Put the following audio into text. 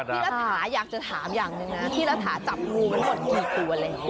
พี่รัฐาอยากจะถามอย่างหนึ่งนะพี่รัฐาจับงูมันหมดกี่ตัวเลย